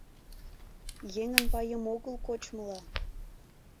Еҥын пайым огыл кочмыла!